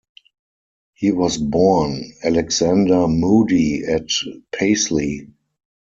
He was born Alexander Moody at Paisley.